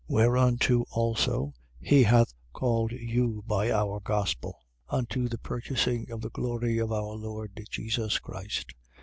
Whereunto also he hath called you by our gospel, unto the purchasing of the glory of our Lord Jesus Christ.